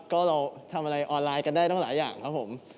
ก็เราทำอะไรออนไลน์กันได้ตั้งหลายอย่างครับผม